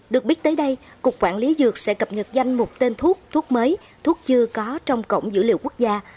được biết tới đây cục quản lý dược sẽ cập nhật danh mục tên thuốc thuốc mới thuốc chưa có trong cổng dữ liệu quốc gia